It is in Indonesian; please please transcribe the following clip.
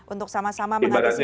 untuk sama sama menangani vaksin